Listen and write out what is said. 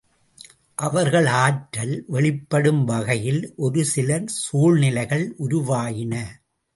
அவர்கள் ஆற்றல் வெளிப்படும் வகையில் ஒரு சில சூழ்நிலைகள் உருவாயின.